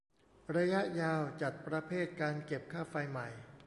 ระยะยาว จัดประเภทการเก็บค่าไฟใหม่